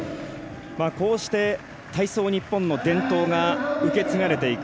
こうして体操日本の伝統が受け継がれていく。